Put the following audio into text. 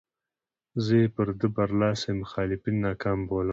زه یې پر ده برلاسي مخالفین ناکام بولم.